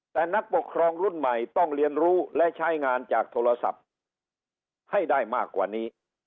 แต่นักปกครองรุ่นใหม่ต้องเรียนรู้และใช้งานจากโทรศัพท์ให้ได้มากกว่านี้